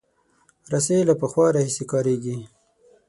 رسۍ له پخوا راهیسې کارېږي.